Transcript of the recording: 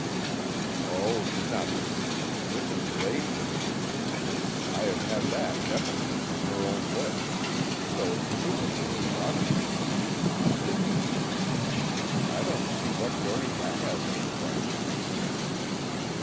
''" Oh, nothing. Mrs. Lade knew them. I have had that definitely from her own lips. So presumably her daughter knew them too." " I don't see what bearing that has on the question."